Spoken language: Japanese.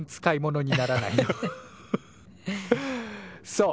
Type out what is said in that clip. そう。